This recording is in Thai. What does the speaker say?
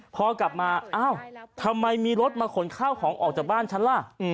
พอกลับมาอ้าวทำไมมีรถมาขนข้าวของออกจากบ้านฉันล่ะ